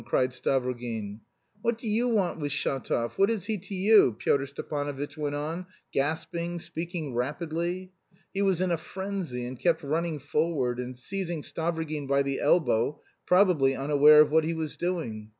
cried Stavrogin. "What do you want with Shatov? What is he to you?" Pyotr Stepanovitch went on, gasping, speaking rapidly. He was in a frenzy, and kept running forward and seizing Stavrogin by the elbow, probably unaware of what he was doing.